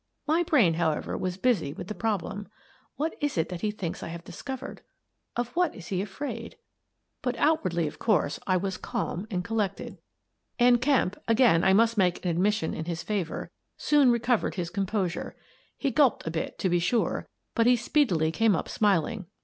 My brain, however, was busy with the problem :" What is it that he thinks I have discovered? Of what is he afraid ?" But outwardly, of course, I was calm and collected The Woman in the Case 183 ————————————— And Kemp — again I must make an admission in his favour — soon recovered his composure. He gulped a bit, to be sure, but he speedily came up smiling.